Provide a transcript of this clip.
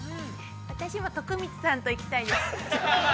私も徳光さんと行きたいです。